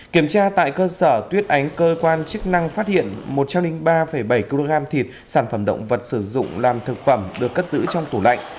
kiểm tra tại cơ sở tuyết ánh cơ quan chức năng phát hiện một trăm linh ba bảy kg thịt sản phẩm động vật sử dụng làm thực phẩm được cất giữ trong tủ lạnh